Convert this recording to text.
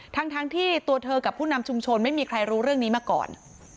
ทั้งที่ตัวเธอกับผู้นำชุมชนไม่มีใครรู้เรื่องนี้มาก่อน